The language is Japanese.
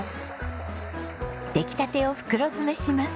出来たてを袋詰めします。